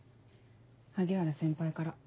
萩原先輩から。